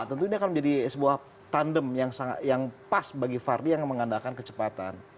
tentu ini akan menjadi sebuah tandem yang pas bagi vardy yang mengandalkan kecepatan